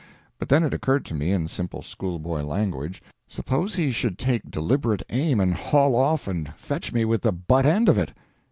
But then it occurred to me, in simple school boy language, "Suppose he should take deliberate aim and 'haul off' and fetch me with the butt end of it?"